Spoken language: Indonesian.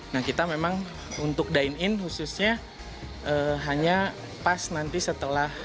nah kita memang untuk dine in khususnya hanya pas nanti setelah